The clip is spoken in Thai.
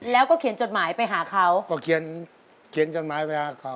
แล้วก็เขียนจดหมายไปหาเขาก็เขียนเขียนจดหมายไปหาเขา